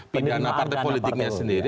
pindana partai politiknya sendiri